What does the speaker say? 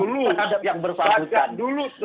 terhadap yang bersahabatan